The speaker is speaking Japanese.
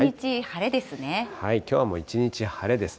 きょうはもう一日晴れです。